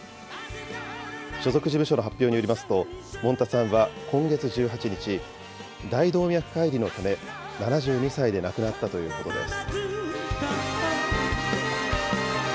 所属事務所の発表によりますと、もんたさんは今月１８日、大動脈解離のため７２歳で亡くなったということです。